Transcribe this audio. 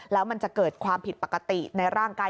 แล้วมันจะเกิดความผิดปกติในร่างกาย